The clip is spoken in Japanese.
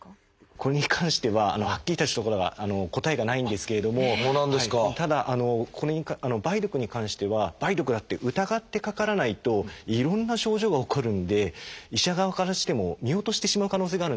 これに関してははっきりとしたところが答えがないんですけれどもただ梅毒に関しては梅毒だって疑ってかからないといろんな症状が起こるんで医者側からしても見落としてしまう可能性があるんですよね。